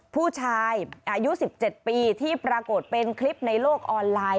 ผู้ชายอายุ๑๗ปีที่ปรากฏเป็นคลิปในโลกออนไลน์